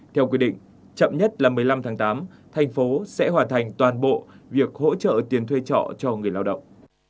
theo quy định chậm nhất là một mươi năm tháng tám thành phố sẽ hoàn thành toàn bộ việc hỗ trợ tiền thuê trọ cho người lao động